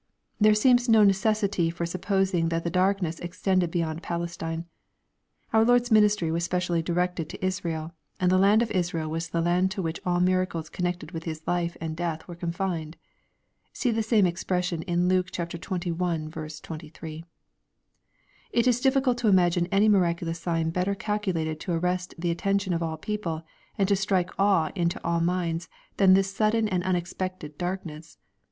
There seems no necessity for supposing that the darkness extended beyond Palestine. Our Lord's ministry was specially directed to Israel, and the land of Israel was the land to which all miracles connected with His life and death were confined. See the same expression in Luke xxi. 23. It is difficult to imagine any miraculous sign better calculated to arrest the attention of all people, and to strike awe into all minds than this sudden and unexpected darkness.